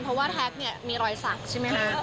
เพราะว่าแท็กมีรอยสักใช่ไหมฮะ